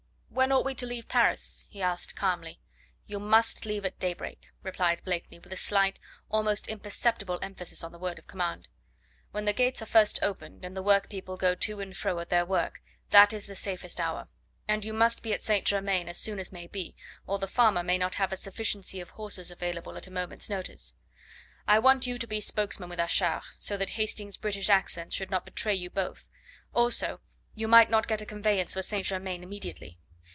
"When ought we to leave Paris?" he asked calmly. "You MUST leave at daybreak," replied Blakeney with a slight, almost imperceptible emphasis on the word of command. "When the gates are first opened, and the work people go to and fro at their work, that is the safest hour. And you must be at St. Germain as soon as may be, or the farmer may not have a sufficiency of horses available at a moment's notice. I want you to be spokesman with Achard, so that Hastings' British accent should not betray you both. Also you might not get a conveyance for St. Germain immediately.